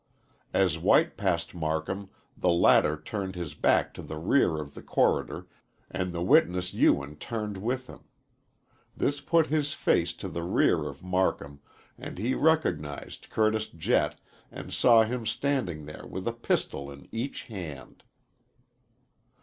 As White passed Marcum the latter turned his back to the rear of the corridor and the witness Ewen turned with him. This put his face to the rear of Marcum and he recognized Curtis Jett and saw him standing there with a pistol in each hand.